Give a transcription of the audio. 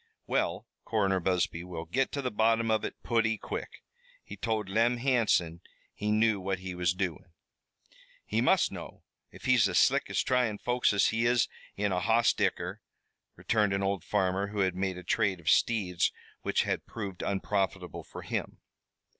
"Well, Coroner Busby will git to the bottom of it putty quick. He told Lem Hansom he knew what he was doin'." "He must know, if he's as slick at tryin' folks as he is in a hoss dicker," returned an old farmer who had made a trade of steeds which had proved unprofitable for him.